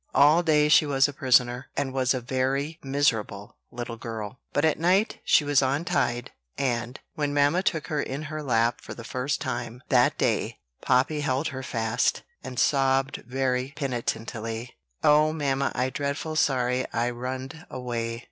All day she was a prisoner, and was a very miserable little girl; but at night she was untied, and, when mamma took her in her lap for the first time that day, Poppy held her fast, and sobbed very penitently "O mamma! I drefful sorry I runned away.